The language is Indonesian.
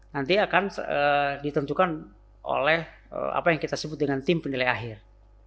nanti akan ditentukan oleh apa yang kita sebut dengan tim penilai akhir